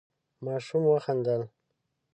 ماشوم وخندل.